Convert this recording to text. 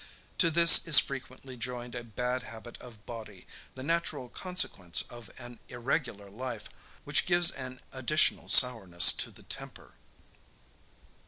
To this is frequently joined a bad habit of body, the natural consequence of an irregular life, which gives an additional sourness to the temper.